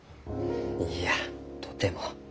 いいやとても。